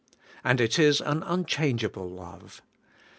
And it is an unchangeable love.